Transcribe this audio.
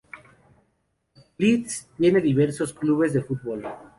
Leeds tiene diversos clubes de fútbol.